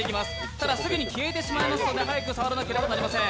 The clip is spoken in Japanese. ただすぐ消えてしまいますので早く触らなければなりません。